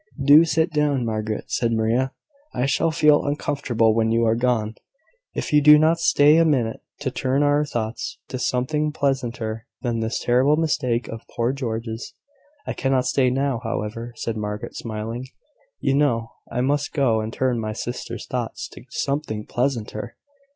"Do sit down, Margaret," said Maria. "I shall feel uncomfortable when you are gone, if you do not stay a minute to turn our thoughts to something pleasanter than this terrible mistake of poor George's." "I cannot stay now, however," said Margaret, smiling. "You know I must go and turn my sister's thoughts to something pleasanter.